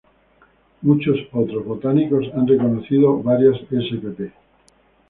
Muchos otros botánicos han reconocido varias spp.